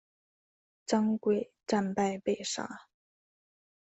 张贵战败被杀。